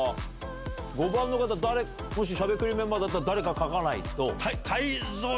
５番の方しゃべくりメンバーなら誰か書かないと。